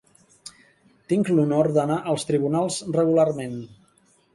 Tinc l'honor d'anar als tribunals regularment.